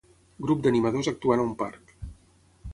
Grup d'animadors actuant a un parc